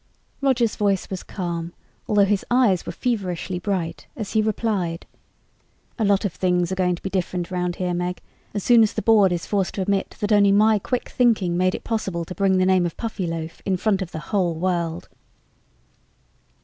Roger's voice was calm, although his eyes were feverishly bright, as he replied, "A lot of things are going to be different around here, Meg, as soon as the Board is forced to admit that only my quick thinking made it possible to bring the name of Puffyloaf in front of the whole world."